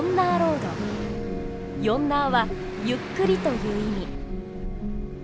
よんなは「ゆっくり」という意味。